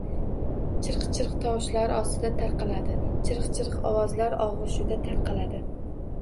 Chirq-chirq... tovushlar ostida tarqaladi. Chirq-chirq... ovozlar og‘ushida tarqaladi.